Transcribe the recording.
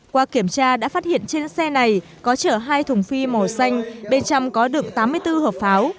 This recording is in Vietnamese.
qua kiểm tra đã phát hiện trên xe này có chở hai thùng phi màu xanh bên trong có được tám mươi bốn hộp pháo